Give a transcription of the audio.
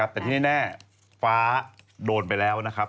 แต่ที่แน่ฟ้าโดนไปแล้วนะครับ